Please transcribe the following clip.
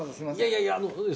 いやいや。